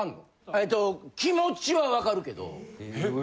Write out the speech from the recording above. えっと気持ちはわかるけど。